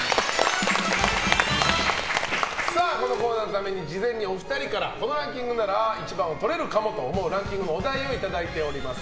このコーナーのために事前にお二人からこのランキングなら１番をとれるかもと思うランキングのお題をいただいております。